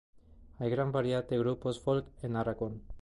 Hay gran variedad de grupos folk en Aragón.